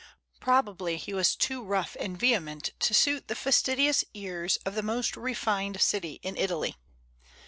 Probably he was too rough and vehement to suit the fastidious ears of the most refined city in Italy.